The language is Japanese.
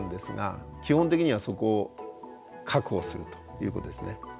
基本的にはそこを確保するということですね。